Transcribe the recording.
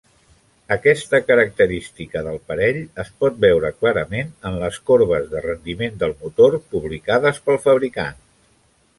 Aquesta característica del parell es pot veure clarament en les corbes de rendiment del motor publicades pel fabricant.